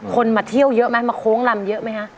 มาเที่ยวเยอะไหมมาโค้งลำเยอะไหมคะ